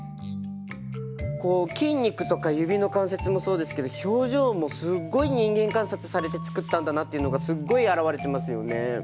こう筋肉とか指の関節もそうですけど表情もすっごい人間観察されて作ったんだなっていうのがすっごい表れてますよね。